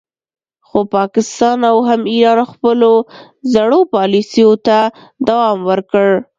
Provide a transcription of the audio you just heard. خو پاکستان او هم ایران خپلو زړو پالیسیو ته دوام ورکړ